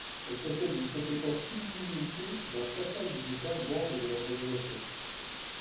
Elle possède une compétence illimitée dans chacun des États membres de l'organisation.